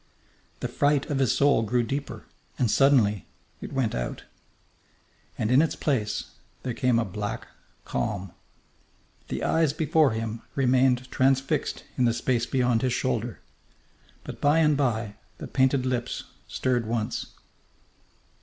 The fright of his soul grew deeper, and suddenly it went out. And in its place there came a black calm. The eyes before him remained transfixed in the space beyond his shoulder. But by and by the painted lips stirred once.